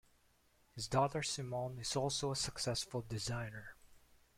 His daughter Simone is also a successful designer.